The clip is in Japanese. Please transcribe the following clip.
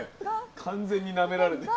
完全になめられてる。